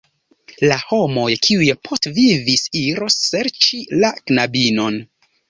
La homoj kiuj postvivis iros serĉi la knabinon.